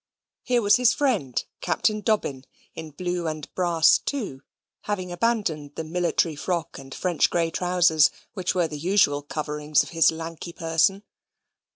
Here was his friend Captain Dobbin, in blue and brass too, having abandoned the military frock and French grey trousers, which were the usual coverings of his lanky person.